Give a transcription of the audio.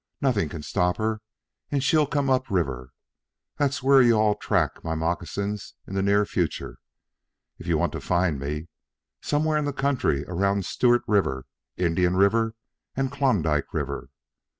Nothing can stop her, and she'll come up river. There's where you all track my moccasins in the near future if you all want to find me somewhere in the country around Stewart River, Indian River, and Klondike River.